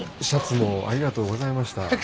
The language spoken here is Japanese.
シャツもありがとうございました。